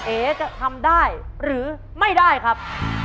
เอ๋จะทำได้หรือไม่ได้ครับ